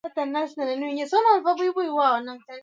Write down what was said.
na bila shaka hatutakubali kuchukuliwa kama mali ya mtu